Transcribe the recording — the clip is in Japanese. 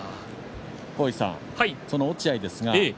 その落合です。